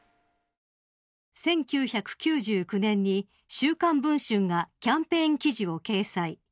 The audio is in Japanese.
１９９９年に「週刊文春」がキャンペーン記事を掲載。